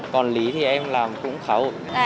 còn lý thì em làm cũng khá ổn